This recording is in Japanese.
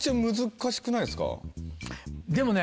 でもね